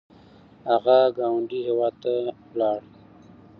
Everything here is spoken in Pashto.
هغه ګاونډي هیواد ته لاړ